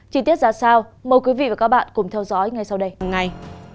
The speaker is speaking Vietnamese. chí tiết ra sau mời quý vị và các bạn cùng theo dõi ngay sau đây